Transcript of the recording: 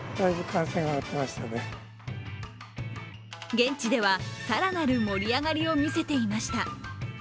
現地では更なる盛り上がりを見せていました。